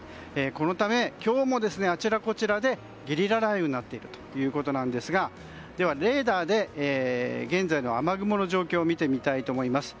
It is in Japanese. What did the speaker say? このため、今日もあちらこちらでゲリラ雷雨になっているということですがでは、レーダーで現在の雨雲の状況を見てみたいと思います。